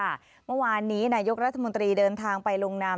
เมื่อวานนี้นายกรัฐมนตรีเดินทางไปลงนาม